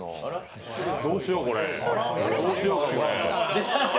どうしよう、これ。